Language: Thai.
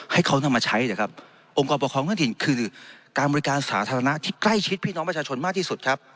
ให้เขานำมาใช้นะครับองค์กรปกครองท้องถิ่นคือการบริการสาธารณะที่ใกล้ชิดพี่น้องประชาชนมากที่สุดครับ